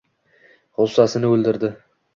G’ussasini o’ldirdi.